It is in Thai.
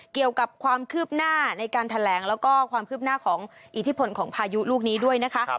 เกี่ยวกับความคืบหน้าในการแถลงแล้วก็ความคืบหน้าของอิทธิพลของพายุลูกนี้ด้วยนะคะ